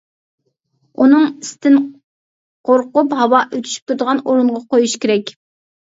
ئۇنىڭ ئىستىن قورقۇپ، ھاۋا ئۆتۈشۈپ تۇرىدىغان ئورۇنغا قويۇش كېرەك.